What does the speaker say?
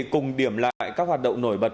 cùng điểm lại các hoạt động nổi bật